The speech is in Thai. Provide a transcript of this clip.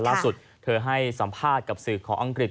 ล่าสุดเธอให้สัมภาษณ์กับสื่อของอังกฤษ